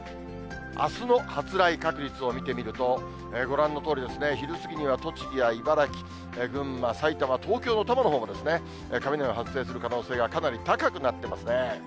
あすの発雷確率を見てみますと、ご覧のとおりですね、昼過ぎには栃木や茨城、群馬、埼玉、東京の多摩のほうも雷が発生する可能性がかなり高くなってますね。